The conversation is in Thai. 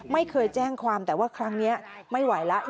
ไม่เคยแจ้งความแต่ว่าครั้งนี้ไม่ไหวแล้ว